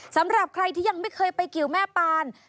สำหรับใครที่ยังไม่เคยไปเกี่ยวแม่ปาน